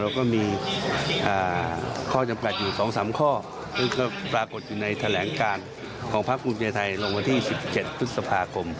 เราก็มีข้อจำกัดอยู่สองสามข้อของพระบุญใจไทยลงมาที่๑๗พุธภาคม